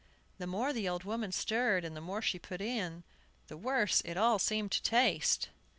The more the old woman stirred, and the more she put in, the worse it all seemed to taste.